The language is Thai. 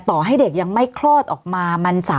ต่อให้เด็กยังไม่คลอดออกมา